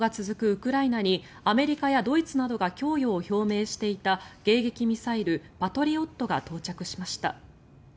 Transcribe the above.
ウクライナにアメリカやドイツなどが供与を表明していた迎撃ミサイル、パトリオットが到着しました。